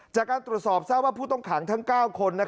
จากการตรวจสอบทราบว่าผู้ต้องขังทั้ง๙คน